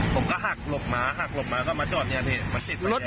ผมก็หักหลบหมาหักหลบหมาก็มาจอดอย่างนี้